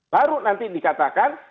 baru nanti dikatakan